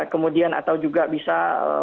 kemudian atau juga bisa